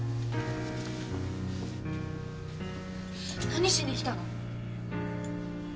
何しに来たの？